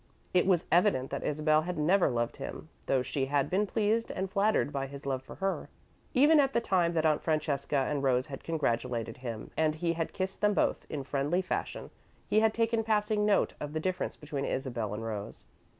It was evident that Isabel had never loved him, though she had been pleased and flattered by his love for her. Even at the time that Aunt Francesca and Rose had congratulated him, and he had kissed them both in friendly fashion, he had taken passing note of the difference between Isabel and Rose.